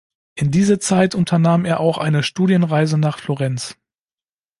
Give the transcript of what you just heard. In diese Zeit unternahm er auch eine Studienreise nach Florenz.